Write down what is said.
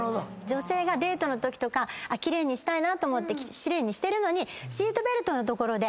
女性がデートのときとか奇麗にしたいなと思って奇麗にしてるのに。